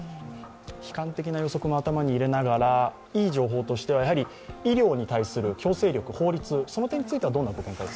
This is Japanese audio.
悲観的な予測も頭に入れながらいい情報として医療に対する強制力法律、その点についてはどんなご見解を？